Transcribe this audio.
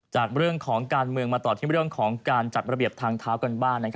จากเรื่องของการเมืองมาต่อที่เรื่องของการจัดระเบียบทางเท้ากันบ้าง